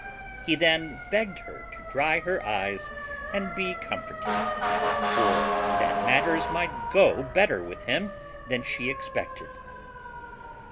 He then begged her to dry her eyes, and be comforted; for that matters might go better with him than she expected.